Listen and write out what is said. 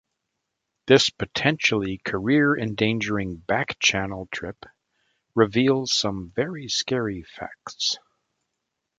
This potentially career-endangering "back channel" trip reveals some very scary facts.